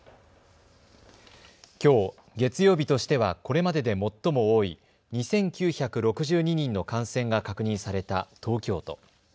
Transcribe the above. きょう、月曜日としてはこれまでで最も多い２９６２人の感染が確認された東京都。